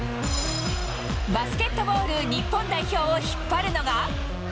バスケットボール日本代表を引っ張るのが。